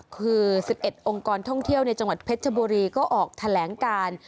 คือ๑๑องค์กรท่องเที่ยวในจังหวัดเพชรบุรีก็ออกแถลงการ